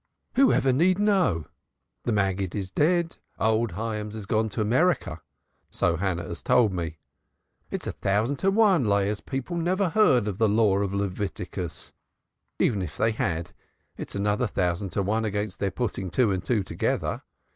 "Who need ever know? The Maggid is dead. Old Hyams has gone to America. So Hannah has told me. It's a thousand to one Leah's people never heard of the Law of Leviticus. If they had, it's another thousand to one against their putting two and two together.